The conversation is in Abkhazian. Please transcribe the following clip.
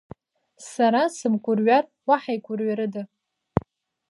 Сара сымгәырҩар уаҳа игәырҩарыда?